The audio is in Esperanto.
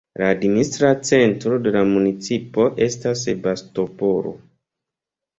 La administra centro de la municipo estas Sebastopolo.